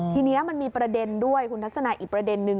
ทีนี้มันมีประเด็นด้วยคุณทัศนายอีกประเด็นนึง